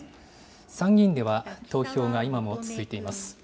参議院では投票が今も続いています。